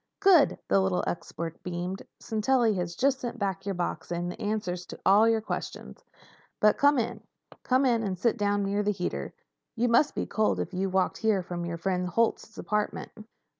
"Good!" The little art expert beamed. "Sintelli has just sent back your box, and the answers to all your questions. But come in. Come in and sit down near the heater. You must be cold if you have walked here from my friend Holt's apartment."